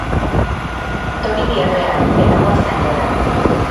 Tori bi erreal, eta goazen gora.